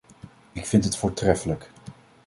Ik vind het voortreffelijk.